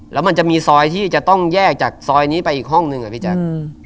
แล้วมันจะมีซอยที่จะต้องแยกจากซอยนี้ไปอีกห้องหนึ่งอะพี่แจ๊ค